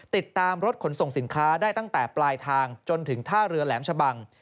ติดตามรถขนส่งสินค้าได้ตั้งแต่ปลายทางจนถึงท่าเรือแหลมชะบัง